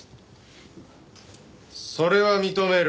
それは認める。